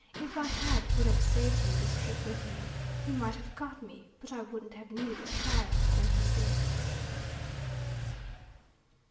If I had, it would have saved you this trip with me. He might have got me, but I wouldn't have needed a trial when he did."